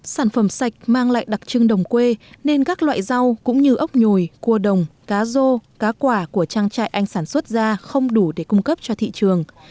sản phẩm sạch mang lại đặc trưng đồng quê nên các loại rau cũng như ốc nhồi cua đồng cá rô cá quả của trang trại anh sản xuất ra không đủ để cung cấp cho thị trường